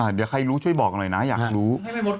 เดี๋ยวใครรู้ช่วยบอกหน่อยนะอยากรู้